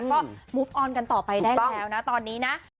ก็มุฟออนกันต่อไปได้แล้วนะตอนนี้นะ